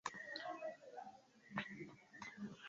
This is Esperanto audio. La planto floras inter julio kaj septembro.